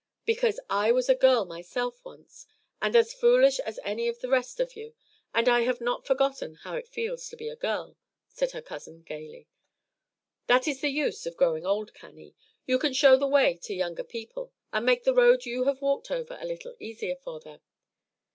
"Because I was a girl myself once, and as foolish as any of the rest of you; and I have not forgotten how it feels to be a girl," said her cousin, gayly. "That is the use of growing old, Cannie. You can show the way to younger people, and make the road you have walked over a little easier for them.